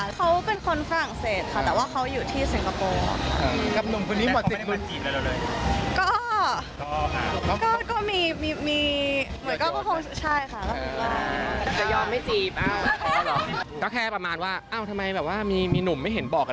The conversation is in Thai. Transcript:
ก่อนที่พี่นักข่าวจะลากบอยมาสัมภาษณ์คู่เมื่อชิปปี้บอกถ้าเฮียบอยให้อังปาวจะยอมเป็นแฟนอ้าวงานนี้ฟินขนาดไหนไปดูกันค่ะ